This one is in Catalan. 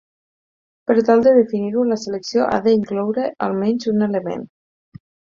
Per tal de definir-ho, la selecció ha de incloure al menys un element.